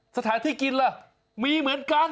สถานที่กินล่ะมีเหมือนกัน